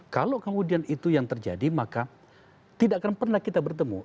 kalau kemudian itu yang terjadi maka tidak akan pernah kita bertemu